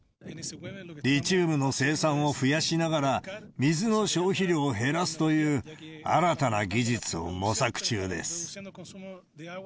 リチウムの生産を増やしながら、水の消費量を減らすという、新たな技術を模索中です。